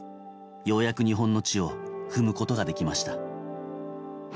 ようやく日本の地を踏むことができました。